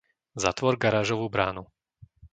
Zatvor garážovú bránu.